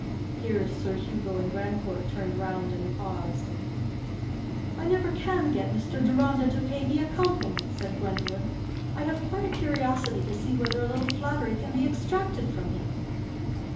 Here Sir Hugo and Grandcourt turned round and paused. "I never can get Mr. Deronda to pay me a compliment," said Gwendolen. "I have quite a curiosity to see whether a little flattery can be extracted from him."